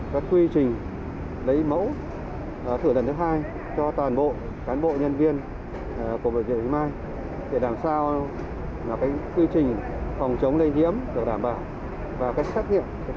được thực hiện theo đúng quy trình phòng chống lây nhiễm bảo đảm kết quả chính xác nhất